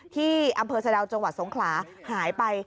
ที่อำเภอสะดาวจังหวัดสงขลาหายไป